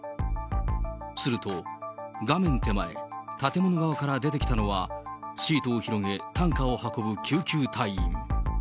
すると、画面手前、建物側から出てきたのは、シートを広げ、担架を運ぶ救急隊員。